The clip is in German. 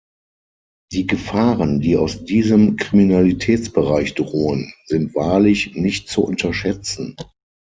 Die Gefahren, die aus diesem Kriminalitätsbereich drohen, sind wahrlich nicht zu unterschätzen.